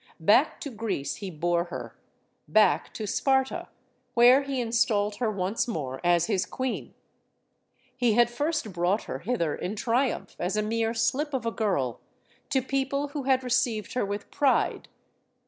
Back to Greece he bore her; back to Sparta, where he installed her once more as his queen. He had first brought her hither in triumph as a mere slip of a girl, to people who had received her with pride.